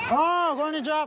こんにちは！